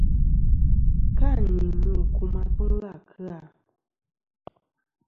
Ka ni mu kum atuŋlɨ à kɨ-a.